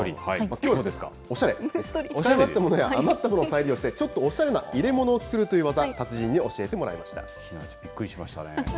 きょうはおしゃれ、使い終わったものや余ったものを再利用してちょっとおしゃれな入れ物を作るという技、達人に教えてもらいびっくりしましたね。